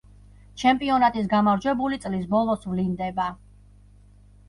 ჩემპიონატის გამარჯვებული წლის ბოლოს ვლინდება.